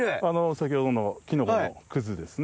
先ほどのキノコのクズですね。